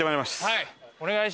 はい。